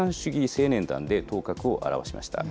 青年団で頭角を現しました。